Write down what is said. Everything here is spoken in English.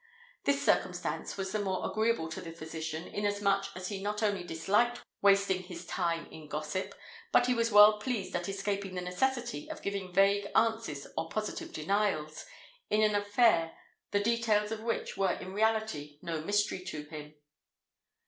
This circumstance was the more agreeable to the physician, inasmuch as he not only disliked wasting his time in gossip, but was well pleased at escaping the necessity of giving vague answers or positive denials in an affair the details of which were in reality no mystery to him.